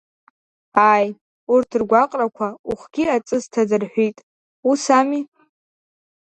Ааи, урҭ ргәаҟрақәа ухгьы аҵыс ҭадырҳәит, ус ами?